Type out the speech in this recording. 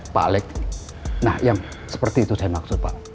pak alex nah yang seperti itu saya maksud pak